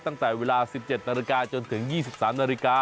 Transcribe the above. ตั้งแต่เวลา๑๗นจนถึง๒๓น